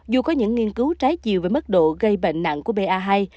dù có những nghiên cứu trái chiều về mức độ gây bệnh nặng của ba hai